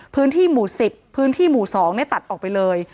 พื้นที่หมู่๑๐พื้นที่หมู่๒ตัดออกไปเลย